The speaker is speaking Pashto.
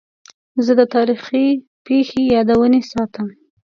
زه د تاریخي پیښو یادونې ساتم.